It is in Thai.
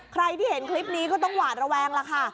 ใครที่เห็นคลิปนี้ก็ต้องหวาดระแวงล่ะค่ะ